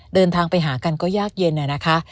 เดินทางไปหากันก็ยากเย็นนะคะ